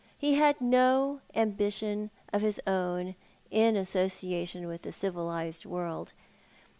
He had no ambition of his own in association with the civilised world.